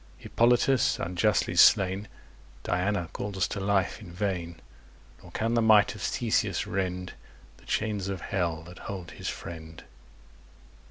Hippolytus, unjustly slain, Diana calls to life in vain; Nor can the might of Theseus rend The chains of Hell that hold his friend.